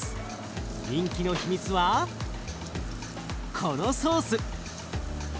人気の秘密はこのソース！